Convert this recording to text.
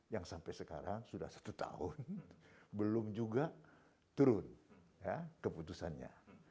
yang sampai sekarang sudah satu tahun belum juga turun keputusannya